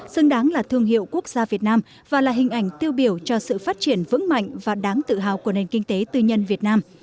xứng đáng là thương hiệu quốc gia việt nam và là hình ảnh tiêu biểu cho sự phát triển vững mạnh và đáng tự hào của nền kinh tế tư nhân việt nam